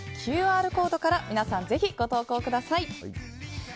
画面上のＱＲコードから皆さん、ぜひご投稿ください。